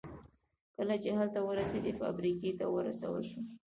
کله چې هلته ورسېد فابریکې ته ورسول شو